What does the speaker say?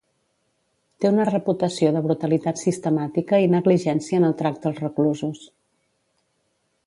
Té una reputació de brutalitat sistemàtica i negligència en el tracte als reclusos.